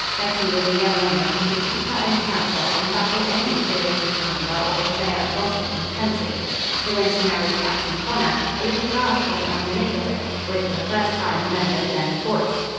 Betty was a young woman who could keep her own counsel and baffle any curiosity monger or purveyor of gossip in the country. So when she married Captain Connor, a little gasp went round the neighbourhood, which for the first time remembered Leonard Boyce.